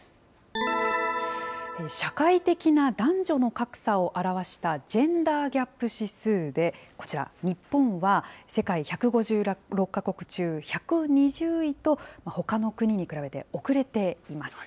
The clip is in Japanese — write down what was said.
社会的な男女の格差を表したジェンダー・ギャップ指数でこちら、日本は世界１５６か国中、１２０位とほかの国に比べて遅れています。